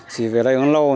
chỉ về đây hơn lâu